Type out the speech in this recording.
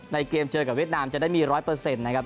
เกมเจอกับเวียดนามจะได้มี๑๐๐นะครับ